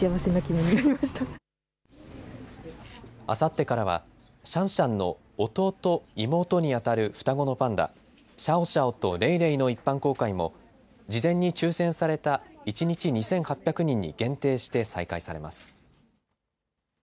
あさってからはシャンシャンの弟、妹にあたる双子のパンダ、シャオシャオとレイレイの一般公開も事前に抽せんされた一日２８００人に限定して再開されます。